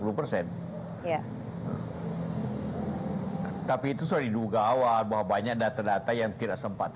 hai tapi itu sudah diduga awal bahwa banyak data data yang tidak sempat